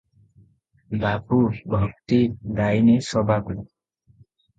ବାବୁ - ଭକ୍ତି-ଦାୟିନୀ ସଭାକୁ ।